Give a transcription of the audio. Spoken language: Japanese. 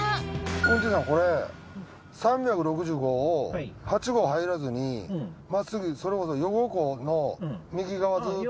運転手さんこれ３６５を８号入らずにまっすぐそれこそ余呉湖の右側ずっと。